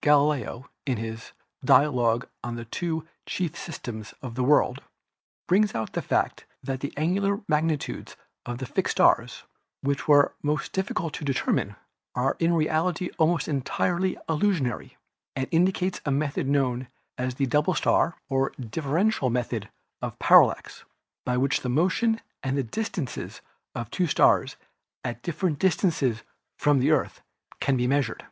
Galileo in his "Dialogue on the Two Chief Systems of the World" brings out the fact that the angular magnitudes of the fixed stars, which were the most difficult to determine, are in reality almost entirely illusory, and indicates a method known as the double star or differential method of parallax by which the motion and the distances of two stars at different distances from the Earth can be measured.